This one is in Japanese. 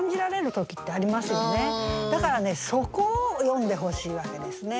だからそこを詠んでほしいわけですね。